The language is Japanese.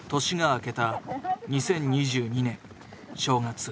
年が明けた２０２２年正月。